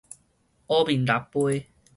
烏面抐桮